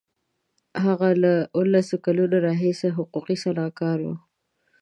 هغه له اوولس کلونو راهیسې حقوقي سلاکار و.